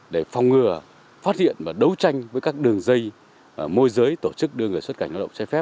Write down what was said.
để phòng ngừa phát hiện và đấu tranh với các đường dây môi giới tổ chức đưa người xuất khẩu